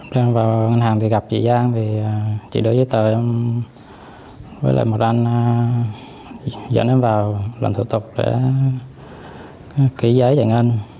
khi em vào ngân hàng thì gặp chị giang thì chị đưa giấy tờ em với lại một anh dẫn em vào lần thủ tục để ký giấy giải ngân